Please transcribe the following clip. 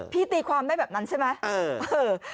ตีความได้แบบนั้นใช่ไหม